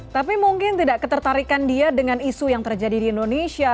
tapi mungkin tidak ketertarikan dia dengan isu yang terjadi di indonesia